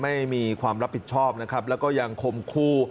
ไม่มีความรับผิดชอบนะครับแล้วก็ยังคมคู่